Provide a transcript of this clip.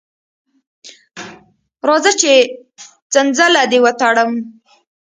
راځه چې څنځله دې وتړم.